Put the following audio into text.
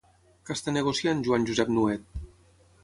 Què està negociant Joan Josep Nuet?